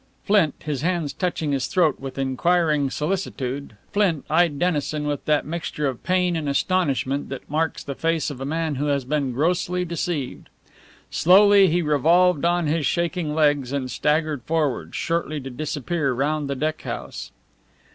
Flint, his hands touching his throat with inquiring solicitude Flint eyed Dennison with that mixture of pain and astonishment that marks the face of a man who has been grossly deceived. Slowly he revolved on his shaking legs and staggered forward, shortly to disappear round the deck house.